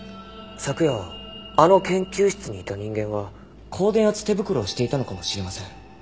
昨夜あの研究室にいた人間は高電圧手袋をしていたのかもしれません。